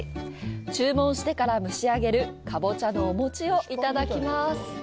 注文してから蒸し上げるカボチャのお餅をいただきます。